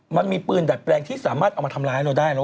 มันมีปืนดัดแปลงที่สามารถเอามาทำร้ายเราได้เนอ